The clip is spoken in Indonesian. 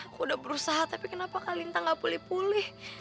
aku udah berusaha tapi kenapa kak lintang nggak pulih pulih